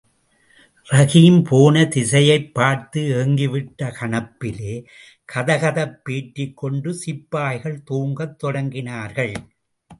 ரஹீம் போன திசையைப் பார்த்து ஏங்கிவிட்டுக் கணப்பிலே கதகதப்பேற்றிக் கொண்டு சிப்பாய்கள் தூங்கத் தொடங்கினார்கள்.